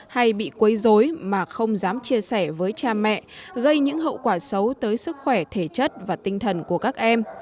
hay bị quấy dối mà không dám chia sẻ với cha mẹ gây những hậu quả xấu tới sức khỏe thể chất và tinh thần của các em